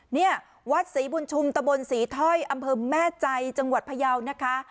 เนี่ยวัดศรีบุญชุมตะบนศรีถ้อยอำเภอแม่ใจจังหวัดพยาวนะคะ